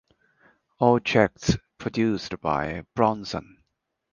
All tracks produced by Bronson.